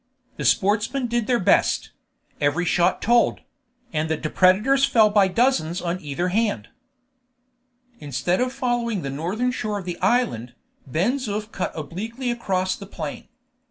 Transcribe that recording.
The sportsmen did their best; every shot told; and the depredators fell by dozens on either hand. Instead of following the northern shore of the island, Ben Zoof cut obliquely across the plain.